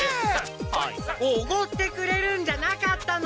おごってくれるんじゃなかったの？